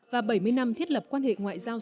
và bảy mươi năm thiết lập quan hệ ngoại giao